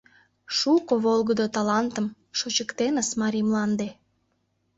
Шуко волгыдо талантым Шочыктеныс марий мланде.